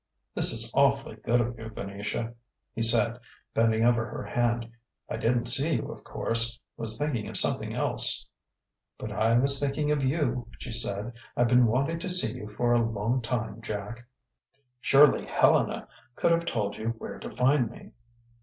"This is awfully good of you, Venetia," he said, bending over her hand. "I didn't see you, of course was thinking of something else " "But I was thinking of you," she said. "I've been wanting to see you for a long time, Jack." "Surely Helena could have told you where to find me...."